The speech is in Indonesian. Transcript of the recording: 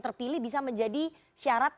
terpilih bisa menjadi syarat